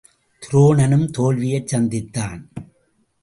துரோணனும் தோல்வியைச் சந்தித்தான்.